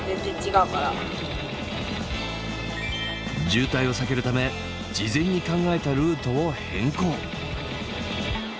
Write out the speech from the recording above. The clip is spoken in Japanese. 渋滞を避けるため事前に考えたルートを変更。